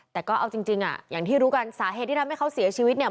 แต่ก็เอาจริงอ่ะอย่างที่รู้กันสาเหตุที่ทำให้เขาเสียชีวิตเนี่ย